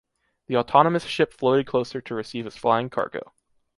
The autonomous ship floated closer to receive his flying cargo.